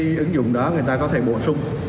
cái ứng dụng đó người ta có thể bổ sung